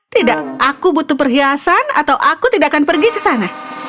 tidak aku butuh perhiasan atau aku tidak akan pergi ke sana